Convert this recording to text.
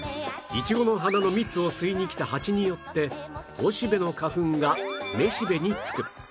イチゴの花の蜜を吸いに来たハチによっておしべの花粉がめしべにつく